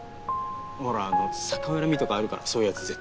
ほらあの逆恨みとかあるからそういう奴ぜってぇ。